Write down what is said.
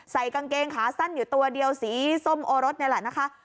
กางเกงขาสั้นอยู่ตัวเดียวสีส้มโอรสนี่แหละนะคะ